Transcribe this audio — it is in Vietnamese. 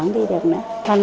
bắt đầu cho học lớp một là thăm